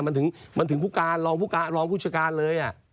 มันถึงมันถึงภูการรองภูการรองภูชการเลยอ่ะ